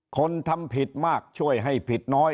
คนทำผิดมากช่วยให้ผิดน้อย